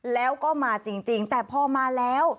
แล้วก็มาจริงแต่พอมาแล้ว